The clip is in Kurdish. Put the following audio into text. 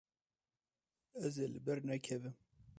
Ez ê li ber nekevim.